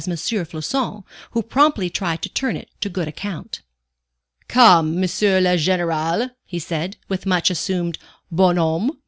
Floçon, who promptly tried to turn it to good account. "Come, M. le Général," he said, with much assumed bonhomie.